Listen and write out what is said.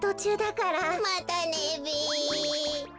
またねべ。